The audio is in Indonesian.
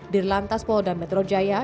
di lantas polo dan metro jaya